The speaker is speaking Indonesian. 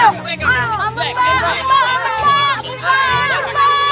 amat pak amat pak